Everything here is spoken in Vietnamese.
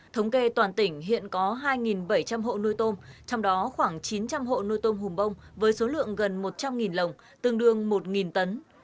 thống kê toàn tỉnh hiện có hai bảy trăm linh hộ nuôi tôm trong đó khoảng chín trăm linh hộ nuôi tôm hùm bông với số lượng gần một trăm linh lồng tương đương một tấn